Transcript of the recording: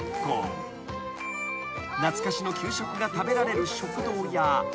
［懐かしの給食が食べられる食堂や］